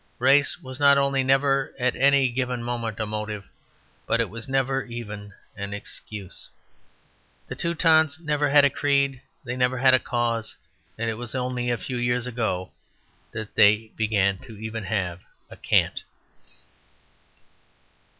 Race was not only never at any given moment a motive, but it was never even an excuse. The Teutons never had a creed; they never had a cause; and it was only a few years ago that they began even to have a cant.